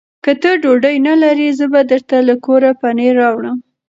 که ته ډوډۍ نه لرې، زه به درته له کوره پنېر راوړم.